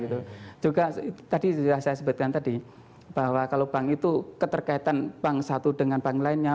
juga tadi sudah saya sebutkan tadi bahwa kalau bank itu keterkaitan bank satu dengan bank lainnya